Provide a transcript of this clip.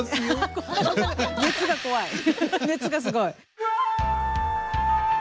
熱がすごい！